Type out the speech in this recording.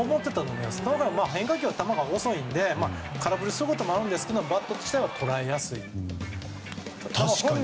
変化球は球が遅いので空振りすることもあるんですがバット自体は捉えやすい。